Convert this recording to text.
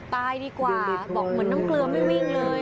ตายดีกว่าบอกเหมือนน้ำเกลือไม่วิ่งเลย